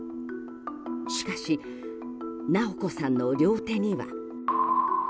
しかし、直子さんの両手には。